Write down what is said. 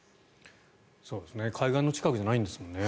海岸の近くじゃないんですもんね。